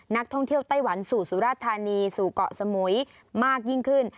นักท่องเที่ยวไต้หวันสู่สุราธานีสู่เกาะสมุยมากยิ่งขึ้น